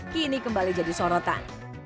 kini kembali jadi sorotan